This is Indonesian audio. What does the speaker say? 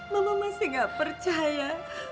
mama masih gak percaya